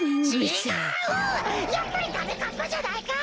やっぱりダメかっぱじゃないか！